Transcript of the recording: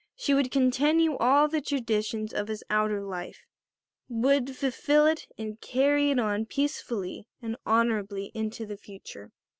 She would continue all the traditions of his outer life, would fulfil it and carry it on peacefully and honourably into the future.